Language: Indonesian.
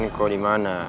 darren kok di mana